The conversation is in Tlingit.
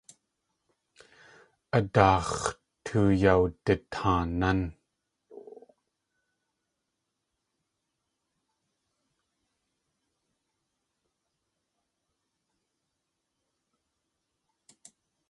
A daax̲ tuyawditaanán.